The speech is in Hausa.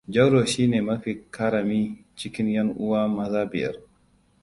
Jauro shi ne mafi karami cikin 'yan'uwa maza biyar.